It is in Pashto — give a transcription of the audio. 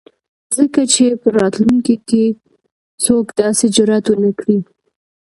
ځکه چې په راتلونکي ،کې څوک داسې جرات ونه کړي.